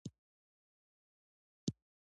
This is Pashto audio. بزګان د افغانستان د ځانګړي ډول جغرافیه استازیتوب کوي.